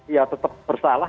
ya tetap bersalah